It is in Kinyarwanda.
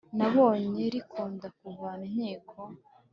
Nabonye rikunda kuvuna inkiko